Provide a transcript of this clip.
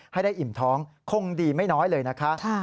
ให้ได้อิ่มท้องคงดีไม่น้อยเลยนะคะ